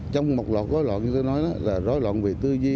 trong một loạt gối loạn như tôi nói là gối loạn về tư duy